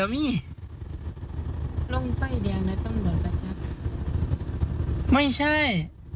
ไม่ใช่